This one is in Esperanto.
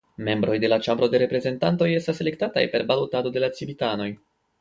Membroj de la Ĉambro de Reprezentantoj estas elektataj per balotado de la civitanoj.